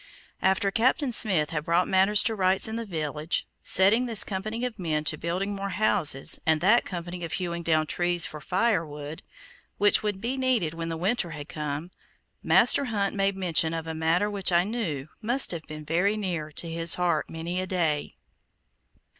After Captain Smith had brought matters to rights in the village, setting this company of men to building more houses, and that company to hewing down trees for firewood, which would be needed when the winter had come, Master Hunt made mention of a matter which I knew must have been very near his heart many a day.